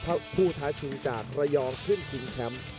เขาท่าชิงจากไครยองท์ขึ้นถึงแชมป์